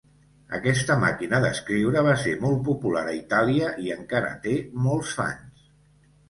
Aquesta màquina d'escriure va ser molt popular a Itàlia i encara té molts fans.